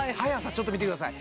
ちょっと見てください